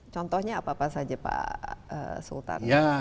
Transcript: contohnya apa apa saja pak sultan